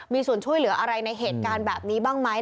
มีส่วนช่วยเหลืออะไรในเหตุการณ์แบบนี้บ้างไหม